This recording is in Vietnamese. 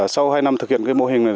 sau hai năm thực hiện mô hình này